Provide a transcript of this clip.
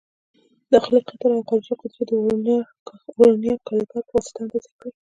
داخلي قطر او خارجي قطر یې د ورنیز کالیپر په واسطه اندازه کړئ.